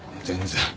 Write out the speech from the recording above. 全然。